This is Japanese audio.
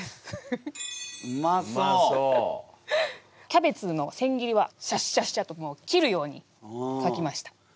キャベツの千切りはシャッシャッシャともう切るように書きました。